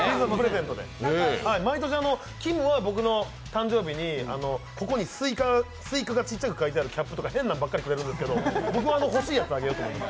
毎年、きむは僕の誕生日にここにスイカがちっちゃく描いてあるキャップとかくれたんだけど僕は欲しいやつをあげようと思います。